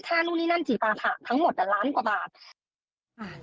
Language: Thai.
ค่านู้นนี่นั่นจีบปลาผ่าทั้งหมดแต่ล้านกว่าบาท